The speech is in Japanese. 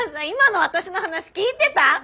今の私の話聞いてた？